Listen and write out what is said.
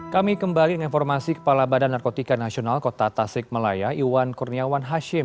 kami kembali dengan informasi kepala badan narkotika nasional kota tasik malaya iwan kurniawan hashim